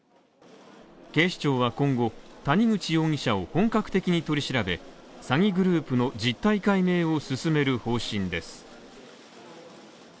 警視庁は今後、谷口容疑者を本格的に取り調べ詐欺グループの実態解明を進める方針です。